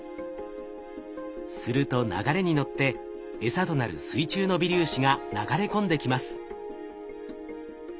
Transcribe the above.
すると流れに乗ってエサとなる水中の微粒子が流れ込んできます。